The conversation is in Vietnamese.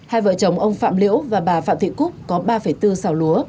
hai vợ chồng ông phạm liễu và bà phạm thị cúc có ba bốn xào lúa